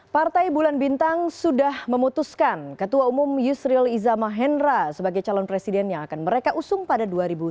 partai bulan bintang sudah memutuskan ketua umum yusril iza mahendra sebagai calon presiden yang akan mereka usung pada dua ribu sembilan belas